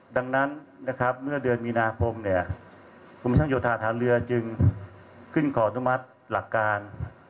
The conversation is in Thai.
ดังนั้นนะครับเมื่อเดือนมีนาคมเนี่ยกรมช่างโยธาฐานเรือจึงขึ้นขออนุมัติหลักการ